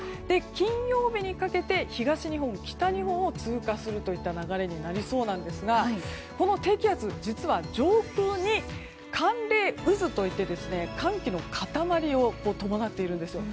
金曜日にかけて東日本、北日本を通過するといった流れになりそうなんですがこの低気圧実は上空に寒冷渦といって寒気の塊を伴っているんですよ。